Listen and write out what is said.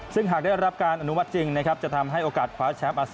ซึ่งหากได้รับการอนุมัติจริงนะครับ